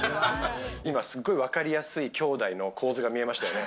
今すごいわかりやすい兄弟の構図が見えましたね。